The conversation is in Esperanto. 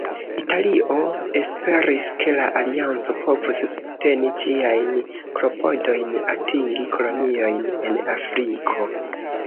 Italio esperis, ke la alianco povus subteni ĝiajn klopodojn atingi koloniojn en Afriko.